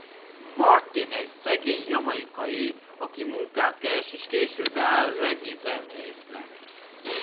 Martin egy szegény jamaicai aki munkát keres és később beáll reggae zenésznek.